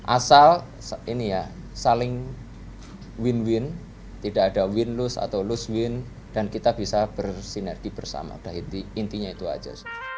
asal saling win win tidak ada win lose atau lose win dan kita bisa bersinergi bersama intinya itu aja